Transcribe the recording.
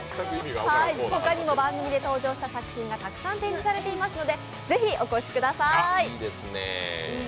他にも番組で登場した作品がたくさん登場していますのでぜひお越しください。